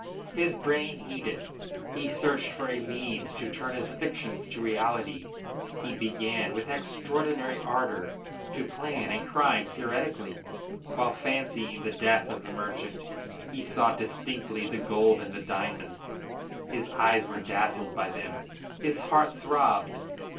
His brain heated; he searched for means to turn his fictions to realities. He began with extraordinary ardor to plan a crime theoretically. While fancying the death of the merchant he saw distinctly the gold and the diamonds. His eyes were dazzled by them. His heart throbbed.